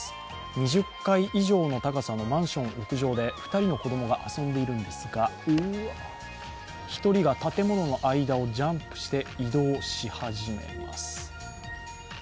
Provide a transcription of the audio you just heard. ２０階以上の高さのマンション屋上で、２人の子供が遊んでいるんですが１人が建物の間をジャンプして移動し始めます。